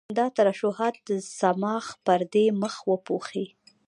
دا ترشحات د صماخ پردې مخ وپوښي.